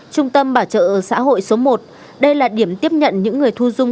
trung tâm bảo trợ xã hội số một đây là điểm tiếp nhận những người thu dung